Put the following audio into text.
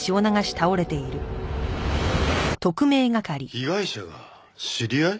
被害者が知り合い？